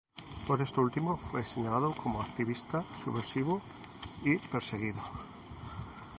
Por esto último, fue señalado como "activista subversivo" y perseguido.